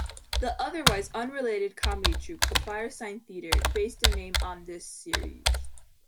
The otherwise-unrelated comedy troupe The Firesign Theatre based their name on this series.